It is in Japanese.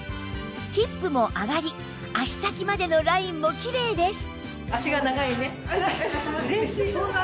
ヒップも上がり脚先までのラインもキレイです